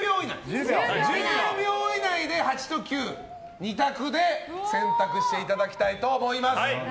１０秒以内で８と９、２択で選択していただきたいと思います。